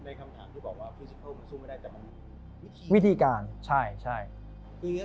คืออย่างนี้สมมุติว่าผู้กรรมไทยเนี่ยมันจะผ่านถูกกว่าเครื่องคุมอิทธิ์ไว้ได้